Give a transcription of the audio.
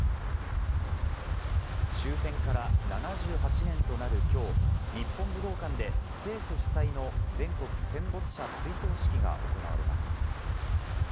終戦から７８年となるきょう、日本武道館で政府主催の全国戦没者追悼式が行われます。